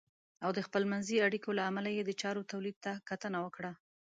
او د خپلمنځي اړیکو له امله یې د چارو تولید ته کتنه وکړه .